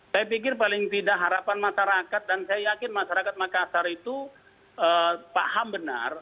saya pikir paling tidak harapan masyarakat dan saya yakin masyarakat makassar itu paham benar